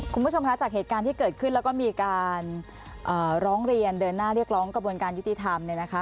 คุณผู้ชมคะจากเหตุการณ์ที่เกิดขึ้นแล้วก็มีการร้องเรียนเดินหน้าเรียกร้องกระบวนการยุติธรรมเนี่ยนะคะ